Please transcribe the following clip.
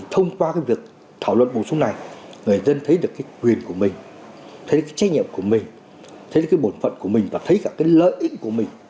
thông qua cái việc thảo luận bổ sung này người dân thấy được cái quyền của mình thấy cái trách nhiệm của mình thấy cái bổn phận của mình và thấy cả cái lợi ích của mình